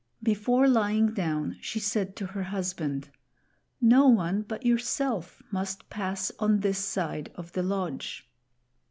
Before lying down, she said to her husband, "No one but yourself must pass on this side of the lodge."